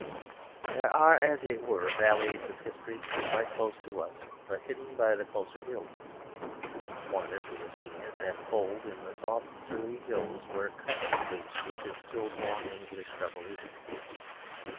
There are, as it were, valleys of history quite close to us, but hidden by the closer hills. One, as we have seen, is that fold in the soft Surrey hills where Cobbett sleeps with his still born English Revolution.